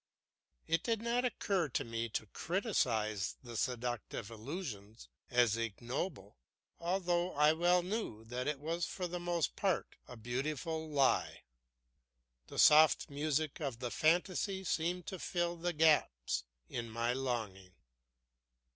It did not occur to me to criticise the seductive illusion as ignoble, although I well knew that it was for the most part a beautiful lie. The soft music of the fantasy seemed to fill the gaps in my longing.